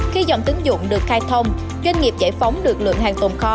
khi dòng tín dụng được khai thông doanh nghiệp giải phóng được lượng hàng tồn kho